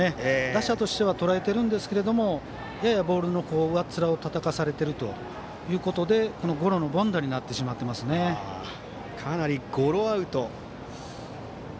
打者としてはとらえているんですがややボールの上っ面をたたかされているということでかなりゴロアウトが。